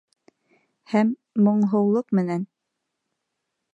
Һәм моңһоулыҡ менән: